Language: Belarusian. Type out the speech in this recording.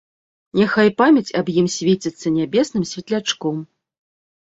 Няхай памяць аб ім свеціцца нябесным светлячком.